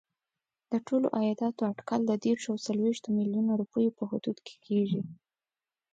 د ټولو عایداتو اټکل د دېرشو او څلوېښتو میلیونو روپیو په حدودو کې کېږي.